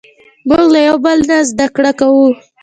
موږ له یو بل نه زدهکړه کوو.